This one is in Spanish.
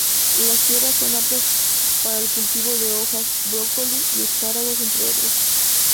Las tierras son aptas para el cultivo de hojas, brócoli y espárragos entre otros.